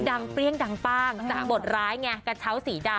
เปรี้ยงดังป้างจากบทร้ายไงกระเช้าสีดำ